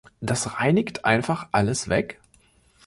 Das reinigt einfach alles weg?